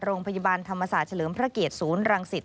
โรงพยาบาลธรรมศาสตร์เฉลิมพระเกียรติศูนย์รังสิต